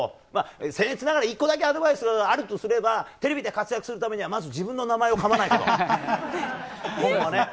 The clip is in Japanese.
僭越ながら、１個だけアドバイスあるとすればテレビで活躍するためにはまず自分の名前をかまないことね。